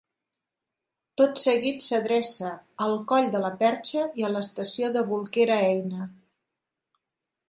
Tot seguit s'adreça al Coll de la Perxa i a l'Estació de Bolquera-Eina.